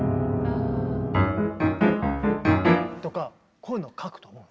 こういうのを書くと思う。